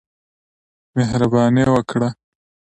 مهرباني وکړه !